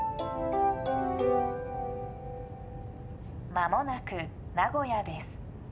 間もなく名古屋です。